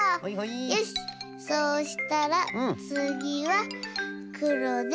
よしそうしたらつぎはくろで。